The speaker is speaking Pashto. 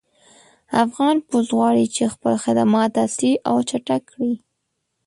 افغان پُست غواړي چې خپل خدمات عصري او چټک کړي